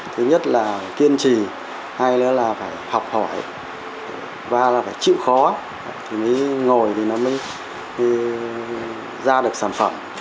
thứ nhất là kiên trì hay nữa là phải học hỏi và là phải chịu khó thì mới ngồi thì nó mới ra được sản phẩm